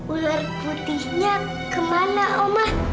ular putihnya ke mana oma